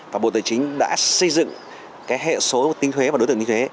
và bộ tài chính đã xây dựng hệ số tính thuế và đối tượng tính thuế